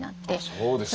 そうですか。